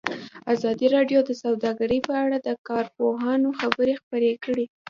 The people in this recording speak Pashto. ازادي راډیو د سوداګري په اړه د کارپوهانو خبرې خپرې کړي.